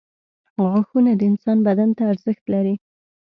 • غاښونه د انسان بدن ته ارزښت لري.